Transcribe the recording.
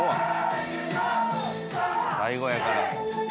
最後やから。